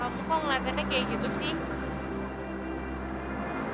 kamu kok ngeliatnya kayak gitu sih